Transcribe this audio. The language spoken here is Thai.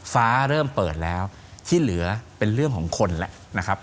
ฟ้าเริ่มเปิดแล้วที่เหลือเป็นเรื่องของคนแล้วนะครับ